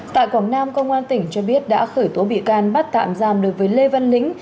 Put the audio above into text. tại quảng nam công an tỉnh cho biết đã khởi tố bị can bắt tạm giam đối với lê văn lĩnh